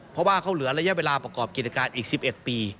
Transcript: เพราะว่าเขาเหลือระยะเวลาประกอบกิจการอีก๑๑ปี